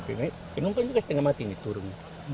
tapi penumpang juga setengah mati nih turun